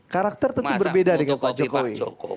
karakter tentu berbeda dengan pak jokowi